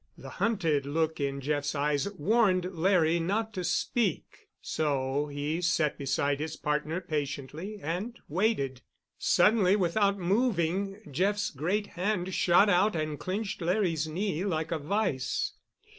The hunted look in Jeff's eyes warned Larry not to speak, so he sat beside his partner patiently and waited. Suddenly, without moving, Jeff's great hand shot out and clinched Larry's knee like a vise.